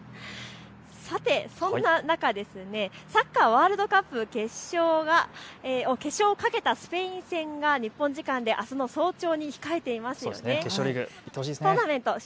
さて、そんな中、サッカーワールドカップ決勝をかけたスペイン戦が日本時間であすの早朝に控えていますね。